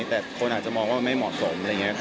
แต่คนอาจจะมองว่าไม่เหมาะสม